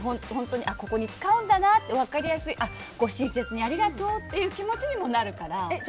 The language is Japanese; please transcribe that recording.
ここに使うんだなって分かりやすいしご親切にありがとうって気持ちにもなるから。